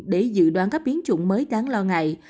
để dự đoán các biến chủng mới đáng lo ngại